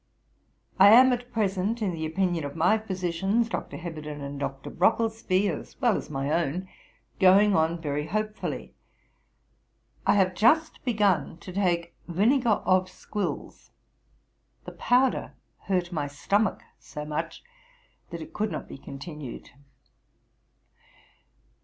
I am at present, in the opinion of my physicians, (Dr. Heberden and Dr. Brocklesby,) as well as my own, going on very hopefully. I have just begun to take vinegar of squills. The powder hurt my stomach so much, that it could not be continued.